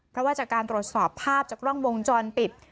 เพราะว่าจากการตรวจสอบภาพจากกล้องวงจรปิด